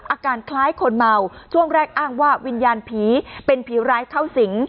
อาการคล้ายคนเมาช่วงแรกอ้างว่าวิญญาณผีเป็นผีร้ายเข้าสิง